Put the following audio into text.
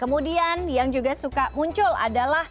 kemudian yang juga selalu di compare adalah rl